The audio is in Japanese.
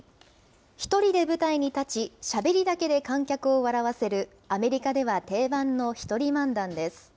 １人で舞台に立ち、しゃべりだけで観客を笑わせる、アメリカでは定番の１人漫談です。